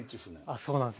あそうなんですね。